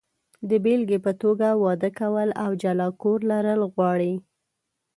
د بېلګې په توګه، واده کول او جلا کور لرل غواړي.